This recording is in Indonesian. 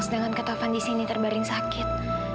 sedangkan kak tovan disini terbaring sakit